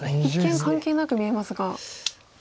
一見関係なく見えますが。